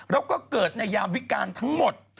แล้วก็เกิดในยามวิการทั้งหมด